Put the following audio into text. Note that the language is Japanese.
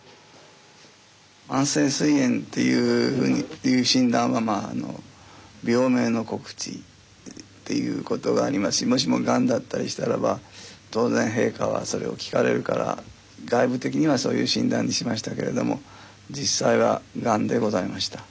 慢性すい炎っていう診断はまああの病名の告知っていうことがありますしもしもガンだったりしたらば当然陛下はそれを聞かれるから外部的にはそういう診断にしましたけれども実際はガンでございました。